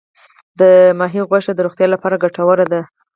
د کب غوښه د روغتیا لپاره ګټوره ده.